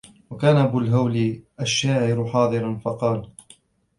وَكَانَ أَبُو الْهَوْلِ الشَّاعِرُ حَاضِرًا فَقَالَ